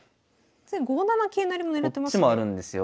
５七桂成も狙ってますね。